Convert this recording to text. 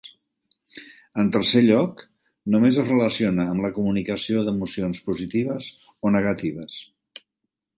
En tercer lloc, només es relaciona amb la comunicació d'emocions positives o negatives.